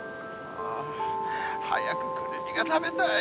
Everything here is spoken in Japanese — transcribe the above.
早くクルミが食べたい。